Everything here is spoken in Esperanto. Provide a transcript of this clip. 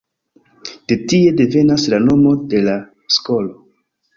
De tie devenas la nomo de la skolo.